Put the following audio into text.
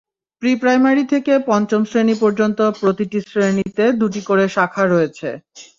Pre-primary থেকে পঞ্চম শ্রেণি পর্যন্ত প্রতিটি শ্রেণিতে দুটি করে শাখা রয়েছে।